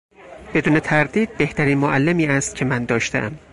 بدون تردید بهترین معلمی است که من داشتهام.